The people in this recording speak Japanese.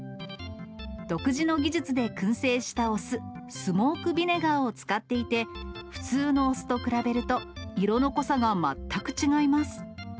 独自の技術でくん製したお酢、スモークビネガーを使っていて、普通のお酢と比べると、色の濃さが全く違います。